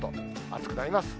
暑くなります。